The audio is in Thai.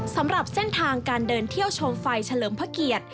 สำหรับเส้นทางการเดินเที่ยวชมไฟเฉลิมพระเกียรติ